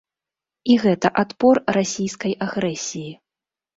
І гэта адпор расійскай агрэсіі.